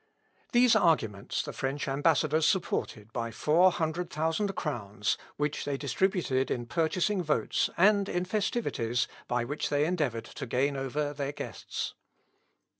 These arguments, the French ambassadors supported by four hundred thousand crowns, which they distributed in purchasing votes and in festivities, by which they endeavoured to gain over their guests.